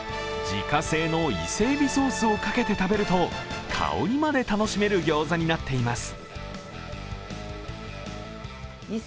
自家製の伊勢海老ソースをかけて食べると香りまで楽しめる餃子になっています。